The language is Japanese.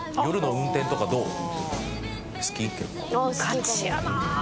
ガチやな！